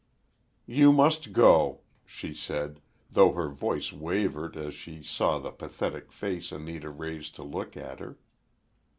"You must go," she said, though her voice wavered as she saw the pathetic face Anita raised to look at her.